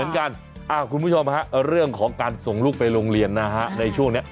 ดีเหมือนกันคุณผู้ชมเรื่องของการส่งลูกไปโรงเรียนในช่วงนี้